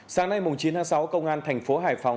sáng nay chín tháng sáu công an thành phố hải phòng